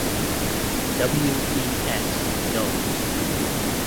W. E. S. Knowles.